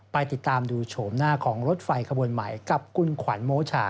ไปติดตามดูโฉมหน้าของรถไฟขบวนใหม่กับคุณขวัญโมชา